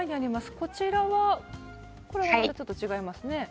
こちらはこれはまたちょっと違いますね。